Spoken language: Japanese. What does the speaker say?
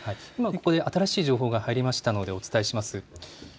新しい情報が入りましたのでお伝えします。